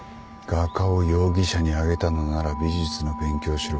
画家を容疑者にあげたのなら美術の勉強をしろ。